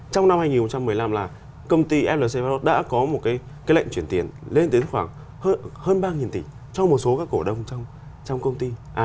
trong năm hai nghìn một mươi năm là công ty lcbro đã có một cái lệnh chuyển tiền lên đến khoảng hơn ba tỷ cho một số các cổ đông trong công ty